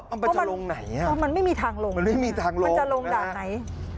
อ๋อมันจะลงไหนอ่ะมันไม่มีทางลงมันจะลงทางไหน